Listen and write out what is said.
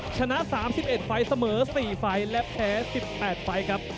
ชนะ๓๑ไฟล์เสมอ๔ไฟล์และแพ้๑๘ไฟล์ครับ